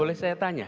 boleh saya tanya